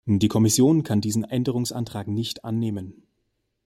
Die Kommission kann diesen Änderungsantrag nicht annehmen.